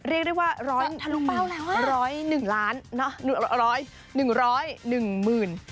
เรียกได้ว่าร้อยส่วนทะลุเปล่าแล้วฮะร้อยหนึ่งล้านร้อยหนึ่งร้อยหนึ่งหมื่น